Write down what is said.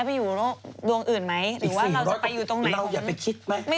ไม่รู้ยังไงอีกนะหลังจากนี้